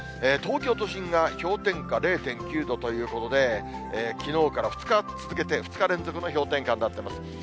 東京都心が氷点下０．９度ということで、きのうから２日続けて、２日連続の氷点下になってます。